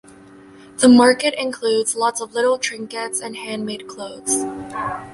The market includes lots of little trinkets and handmade clothes.